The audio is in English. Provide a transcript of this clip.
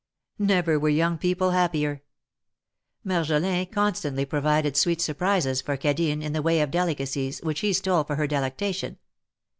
Never were young people happier. Marjolin constantly provided sweet surprises for Cadine in the way of delica cies, which he stole for her delectation.